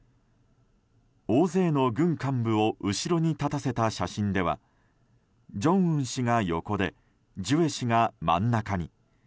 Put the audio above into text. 大勢の軍幹部を後ろに立たせた写真では正恩氏が横でジュエ氏が真ん中に。